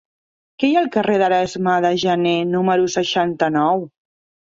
Què hi ha al carrer d'Erasme de Janer número seixanta-nou?